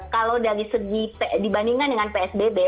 kalau dari segi dibandingkan dengan psbb